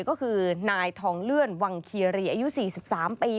ก็คือนายทองเลื่อนวังเคียรีอายุ๔๓ปี